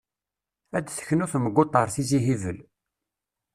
Ad teknu Temguṭ ar Tizi Hibel.